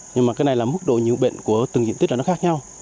nhưng mà cái này là mức độ nhiễm bệnh của từng diện tích là nó khác nhau